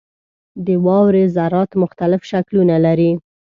• د واورې ذرات مختلف شکلونه لري.